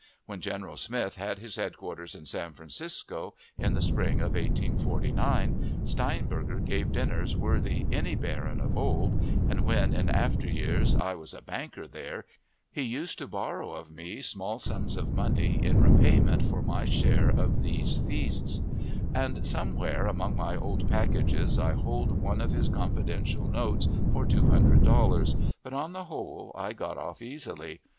When General Smith had his headquarters in San Francisco, in the spring of 1849, Steinberger gave dinners worthy any baron of old; and when, in after years, I was a banker there, he used to borrow of me small sums of money in repayment for my share of these feasts; and somewhere among my old packages I hold one of his confidential notes for two hundred dollars, but on the whole I got off easily.